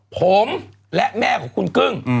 ผมและแม่ของคุณกึ้ง